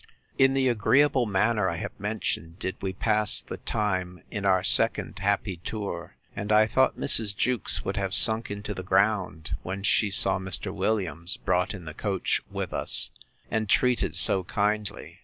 In the agreeable manner I have mentioned, did we pass the time in our second happy tour; and I thought Mrs. Jewkes would have sunk into the ground, when she saw Mr. Williams brought in the coach with us, and treated so kindly.